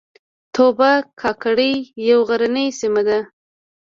توبه کاکړۍ یوه غرنۍ سیمه ده